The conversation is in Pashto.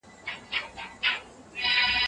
که هره ډله خپل مسؤلیت وپېژني ستونزې به حل سي.